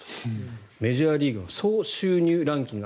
メジャーリーグの総収入ランキング